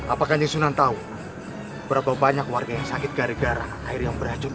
apakah kanjeng sunan tahu berapa banyak warga yang sakit gara gara air yang beracun